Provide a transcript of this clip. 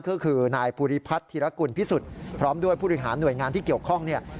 ก็คือนายภูริพัฒน์ธิรกุลพิสุทธิ์พร้อมด้วยผู้บริหารหน่วยงานที่เกี่ยวข้องเนี่ย